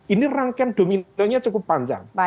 ini rangkaian dominannya cukup panjang